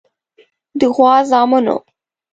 د غوا زامنو.